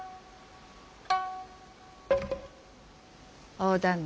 大旦那。